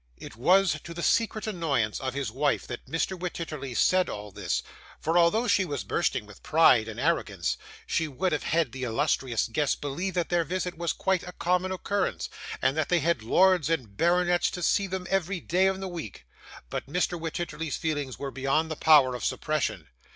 It was to the secret annoyance of his wife that Mr. Wititterly said all this, for, although she was bursting with pride and arrogance, she would have had the illustrious guests believe that their visit was quite a common occurrence, and that they had lords and baronets to see them every day in the week. But Mr. Wititterly's feelings were beyond the power of suppression.